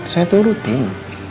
saya tuh rutin